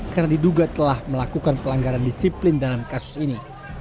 karena diduga telah melakukan pelanggaran disiplin dalam kasus ini